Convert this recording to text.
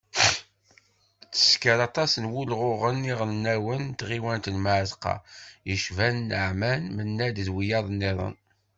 Tessker aṭas n wulɣuɣen iɣelnawen n tɣiwant n Mεatqa, yecban Naɛman Menad d wiyaḍ-nniḍen.